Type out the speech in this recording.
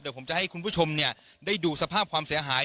เดี๋ยวผมจะให้คุณผู้ชมได้ดูสภาพความเสียหาย